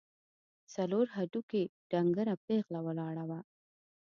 څلور هډوکي، ډنګره پېغله ولاړه وه.